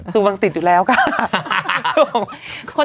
ซึ่งมันติดอยู่แล้วกัน